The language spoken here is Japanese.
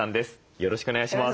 よろしくお願いします。